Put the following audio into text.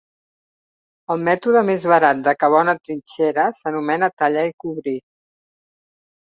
El mètode més barat de cavar una trinxera s'anomena tallar i cobrir.